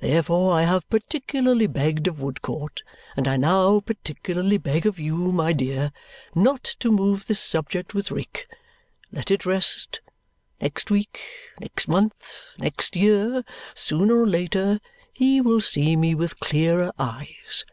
Therefore I have particularly begged of Woodcourt, and I now particularly beg of you, my dear, not to move this subject with Rick. Let it rest. Next week, next month, next year, sooner or later, he will see me with clearer eyes.